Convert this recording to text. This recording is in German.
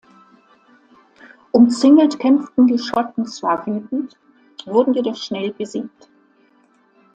Umzingelt kämpften die Schotten zwar wütend, wurden jedoch schnell besiegt.